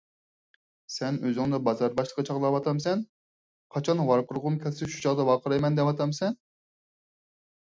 سەن ئۆزۈڭنى بازار باشلىقى چاغلاۋاتامسەن؟! قاچان ۋارقىرىغۇم كەلسە شۇ چاغدا ۋارقىرايمەن دەۋاتامسەن؟!